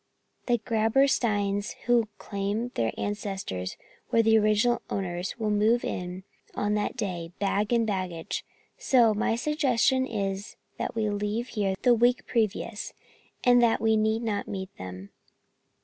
The Grabbersteins, who claim their ancestors were the original owners, will move in on that day, bag and baggage, and so my suggestion is that we leave the week previous, that we need not meet them."